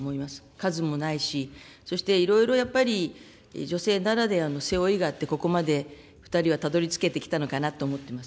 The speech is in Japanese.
数もないし、そしていろいろやっぱり女性ならではの背負いがあって、ここまで２人はたどりつけてきたのかなと思っています。